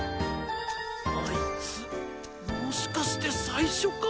あいつもしかして最初から。